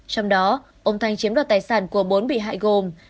trong đó ông thanh chiếm đoạt tài sản của bốn bị hại gồm